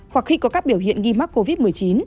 hoặc khi có các biểu hiện nghi mắc covid một mươi chín